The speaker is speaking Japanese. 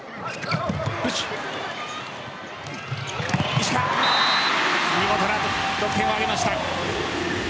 石川、見事な得点を挙げました。